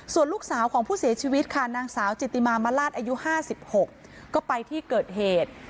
ส่วนลูกสาวของผู้เสียชีวิตค่ะนางสาวจิติมามลาศอายุ๕๖ก็ไปที่เกิดเหตุ